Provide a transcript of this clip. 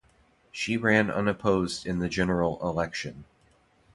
She ran unopposed in the General election.